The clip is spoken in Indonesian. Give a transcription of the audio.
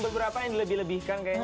beberapa yang dilebihkan kayaknya